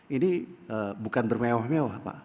ini bukan bermewah mewah pak